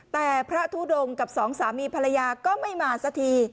แต่พระทุดงกับสองสามีภรรยาก็ไม่มาสักที